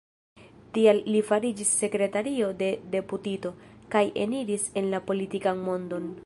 Tial li fariĝis sekretario de deputito, kaj eniris en la politikan mondon.